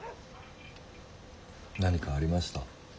何かありました？